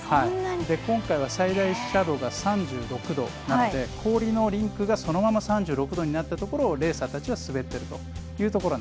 今回は最大斜度が３６度なので氷のリンクがそのまま３６度になったところをレーサーたちは滑っていると。